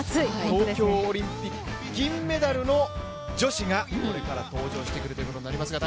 東京オリンピック銀メダルの女子がこれから、登場してくるということになりますが。